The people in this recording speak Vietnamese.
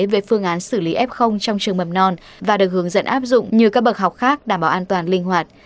về phương án xử lý f trong trường mầm non và được hướng dẫn áp dụng như các bậc học khác đảm bảo an toàn linh hoạt